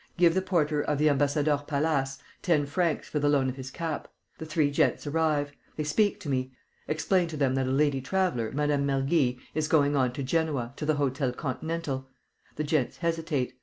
Give the porter of the Ambassadeurs Palace ten francs for the loan of his cap. The three gents arrive. They speak to me. Explain to them that a lady traveller, Mme. Mergy, is going on to Genoa, to the Hôtel Continental. The gents hesitate.